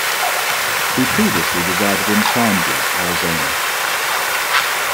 He previously resided in Chandler, Arizona.